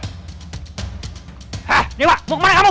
hah dewa mau kemana kamu